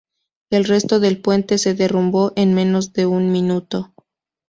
El resto del puente se derrumbó en menos de un minuto.